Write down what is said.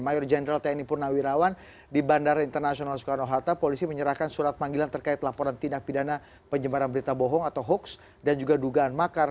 mayor jenderal tni purnawirawan di bandara internasional soekarno hatta polisi menyerahkan surat panggilan terkait laporan tindak pidana penyebaran berita bohong atau hoaks dan juga dugaan makar